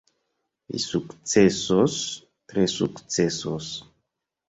Li sukcesos, tre sukcesos.